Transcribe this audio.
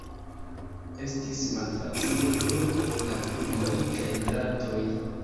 Estis malfacile pro la tuboj kaj dratoj.